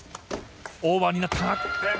オーバーになった。